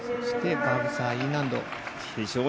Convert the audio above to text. バブサー、Ｅ難度。